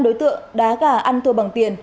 một mươi năm đối tượng đá gà ăn thua bằng tiền